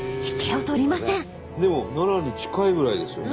でも奈良に近いぐらいですよね。